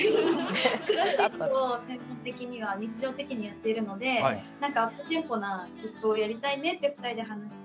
クラシックを専門的には日常的にやってるので何かアップテンポな曲をやりたいねって２人で話して。